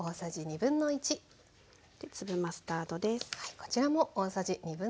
で粒マスタードです。